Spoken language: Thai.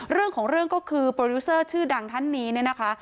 เรื่องของเรื่องก็คือโปรดิวเซอร์ชื่อดังท่านนี้เนี่ยนะคะ